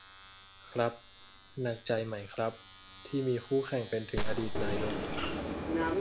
ครับ หนักใจไหมครับ ที่มีคู่แข่งเป็นถึงอดีตนายก